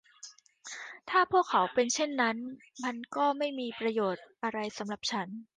ถ้าพวกเขาเป็นเช่นนั้น มันก็ไม่มีประโยชน์อะไรสำหรับฉัน